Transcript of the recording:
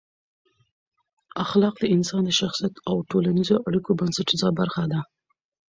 اخلاق د انسان د شخصیت او ټولنیزو اړیکو بنسټیزه برخه ده.